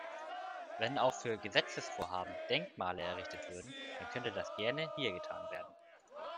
Wenn auch für Gesetzesvorhaben Denkmale errichtet würden, dann könnte das gerne hier getan werden.